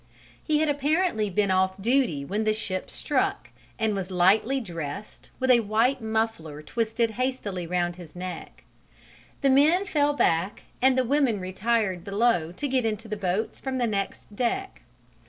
He had apparently been off duty when the ship struck, and was lightly dressed, with a white muffler twisted hastily round his neck. The men fell back and the women retired below to get into the boats from the next deck.